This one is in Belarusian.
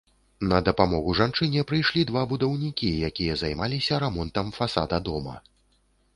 На дапамогу жанчыне прыйшлі два будаўнікі, якія займаліся рамонтам фасада дома.